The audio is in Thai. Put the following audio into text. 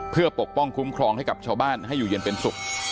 เพื่อปกป้องคุ้มครองให้กับชาวบ้านให้อยู่เย็นเป็นสุข